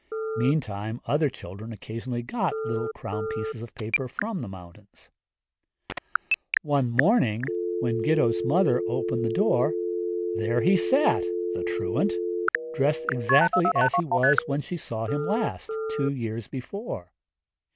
Meantime other children occasionally got like crown pieces of paper from the mountains. One morning when Gitto's mother opened the door there he sat the truant! dressed exactly as he was when she saw him last, two years before.